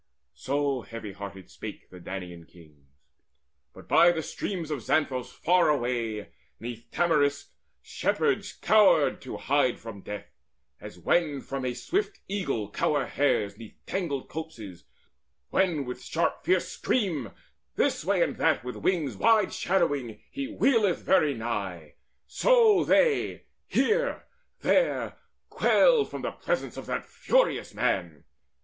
So heavy hearted spake the Danaan kings. But by the streams of Xanthus far away 'Neath tamarisks shepherds cowered to hide from death, As when from a swift eagle cower hares 'Neath tangled copses, when with sharp fierce scream This way and that with wings wide shadowing He wheeleth very nigh; so they here, there, Quailed from the presence of that furious man.